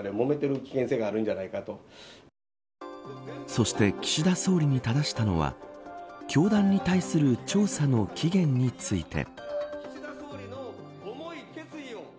そして岸田総理に質したのは教団に対する調査の期限について。